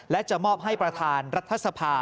และจะมอบให้ประธานรัฐสภา